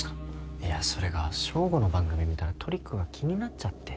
いやそれがＳＨＯＧＯの番組見たらトリックが気になっちゃって。